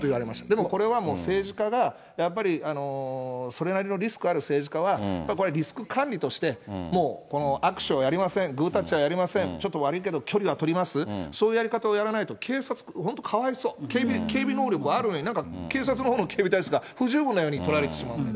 でもこれはもう政治家が、やっぱりそれなりのリスクある政治家は、やっぱりこれリスク管理として、もう握手をやりません、グータッチはやりません、ちょっと悪いけど、距離は取ります、そういうやり方をやらないと、警察、本当かわいそう、警備能力はあるのに、なんか警察のほうの警備体制が不十分なように取られてしまうので。